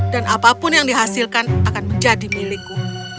dan apapun yang dihasilkan akan menjadi milikku